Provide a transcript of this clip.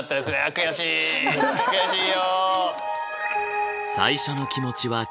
悔しいよ！